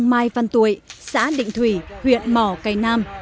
học mai văn tuệ xã định thủy huyện mỏ cây nam